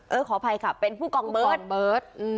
ขออภัยค่ะเป็นผู้กองเบิร์ต